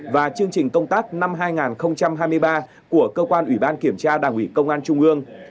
và chương trình công tác năm hai nghìn hai mươi ba của cơ quan ủy ban kiểm tra đảng ủy công an trung ương